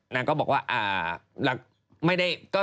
นางก็บอกว่าไม่ได้ติดต่อเลย